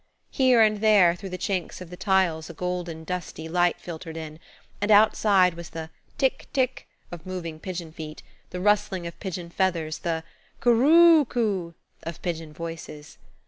Here and there through the chinks of the tiles a golden dusty light filtered in, and outside was the "tick, tick" of moving pigeon feet, the rustling of pigeon feathers, the "cooroocoo" of pigeon voices.